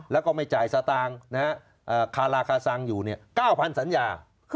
แล้วก็ไม่จ่ายสตงคาลาคาซังอยู่เนี่ย๙๐๐๐สัญญา